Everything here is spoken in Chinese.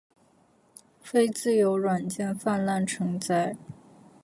非自由软件泛滥成灾